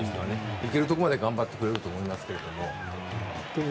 行けるところまで頑張ってくれると思いますけれども。